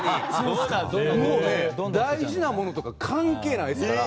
もうね、大事なものとか関係ないですから。